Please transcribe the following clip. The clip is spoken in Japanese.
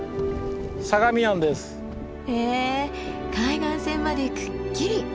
へえ海岸線までくっきり！